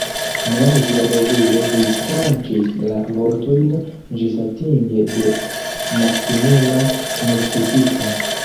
Nome ĝi regule distranĉis la vortojn ĝisatinge de maksimuma mistifiko.